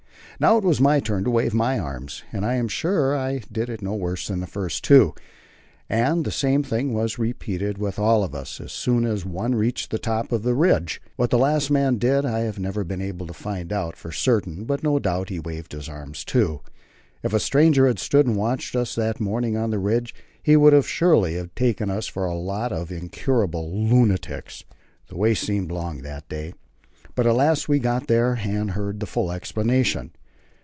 Now it was my turn to wave my arms, and I am sure I did it no worse than the two first. And the same thing was repeated with all of us, as soon as each one reached the top of the ridge. What the last man did I have never been able to find out for certain but no doubt he waved his arms too. If a stranger had stood and watched us that morning on the ridge, he would surely have taken us for a lot of incurable lunatics. The way seemed long that day, but at last we got there and heard the full explanation.